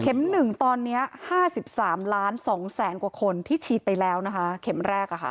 ๑ตอนนี้๕๓ล้าน๒แสนกว่าคนที่ฉีดไปแล้วนะคะเข็มแรก